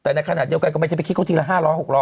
แต่ในขณะเดียวกันก็ไม่ใช่ไปคิดเขาทีละ๕๐๐๖๐๐